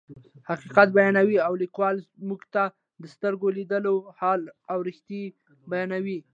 حقیقت بیانوي او لیکوال موږ ته د سترګو لیدلی حال او رښتیا بیانوي.